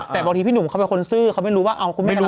แต่บางทีพี่หนุ่มเขาเป็นคนซื่อเขาไม่รู้ว่าเอาเขาไม่ทะล